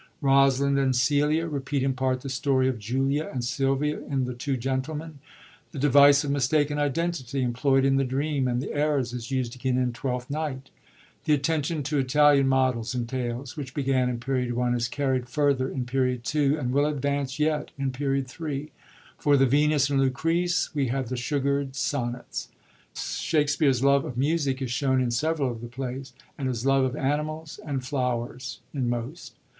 Rosalind and Celia repeat in part the story of Julia and Silvia in the Two Gentlemen; the device of mistaken identity employd in the Dream and the Errors is used again in Twelfth Night, The attention to Italian models and tales which began in Period I. is carried further in Period II. and will advance yet in Period III. For the Venvs and Lucrece we have the * sugard ' Sonnets, Shakspere's love of music is shown in several of the plays, and his love of animals and flowers in most.